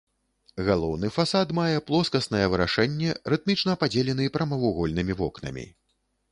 Галоўны фасад мае плоскаснае вырашэнне, рытмічна падзелены прамавугольнымі вокнамі.